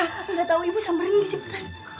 enggak tahu ibu sambil ringgit cepetan